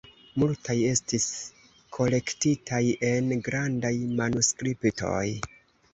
Multaj estis kolektitaj en grandaj manuskriptoj.